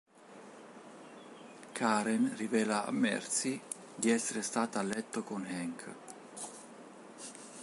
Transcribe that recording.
Karen rivela a Marcy di essere stata a letto con Hank.